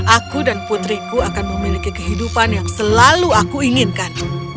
aku dan putriku akan memiliki kehidupan yang selalu aku inginkan